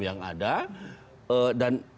yang ada dan